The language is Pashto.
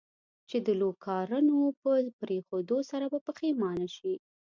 چې د لوکارنو په پرېښودو سره به پښېمانه شې.